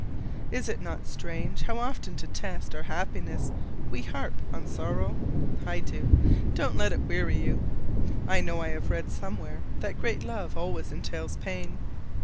Is it not strange how often to test our happiness we harp on sorrow? I do: don't let it weary you. I know I have read somewhere that great love always entails pain.